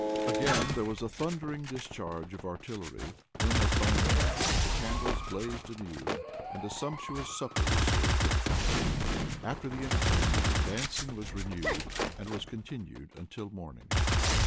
Again there was a thundering discharge of artillery, when, as by enchantment, the candles blazed anew, and a sumptuous supper was served up. After the entertainment, dancing was renewed, and was continued until morning.